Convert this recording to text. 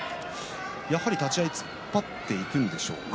やはり立ち合い突っ張っていくんでしょうか。